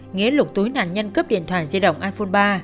nghĩa lục túi nạn nhân cướp điện thoại di động iphone ba